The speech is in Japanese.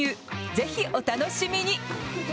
ぜひお楽しみに！